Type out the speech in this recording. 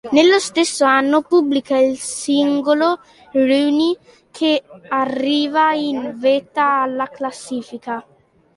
Nello stesso anno pubblica il singolo "Reunie" che arriva in vetta alla classifica.